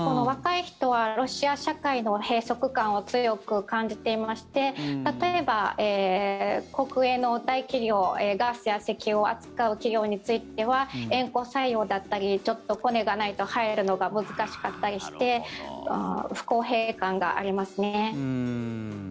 若い人はロシア社会の閉塞感を強く感じていまして例えば国営の大企業ガスや石油を扱う企業については縁故採用だったりちょっとコネがないと入るのが難しかったりして不公平感がありますね。